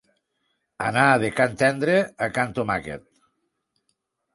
Anar de can Tendre a can Tomàquet.